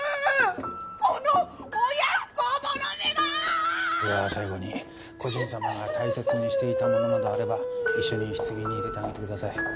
この親不孝者めが！では最後に故人さまが大切にしていたものなどあれば一緒に棺に入れてあげてください。